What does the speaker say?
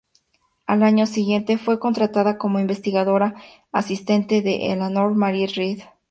Al año siguiente, fue contratada como investigadora asistente de Eleanor Mary Reid.